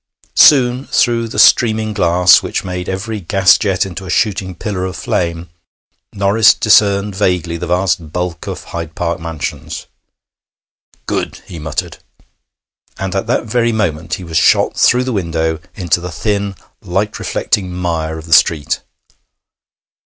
Soon, through the streaming glass, which made every gas jet into a shooting pillar of flame, Norris discerned vaguely the vast bulk of Hyde Park Mansions. 'Good!' he muttered, and at that very moment he was shot through the window into the thin, light reflecting mire of the street.